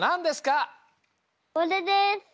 これです！